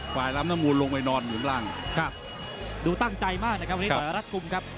กว่ายลำน้ำมุนลงไปนอนอยู่ข้างล่างครับดูตั้งใจมากนะครับต่อเอกนี่แต่ละลัดกุมครับ